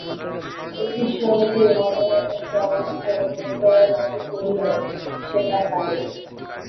অতি সহজে, অন্যমনস্ক অবস্থায় ভুল করার মতো করিয়াও, সে তা পারে।